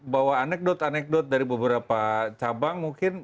bahwa anekdot anekdot dari beberapa cabang mungkin